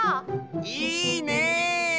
いいね！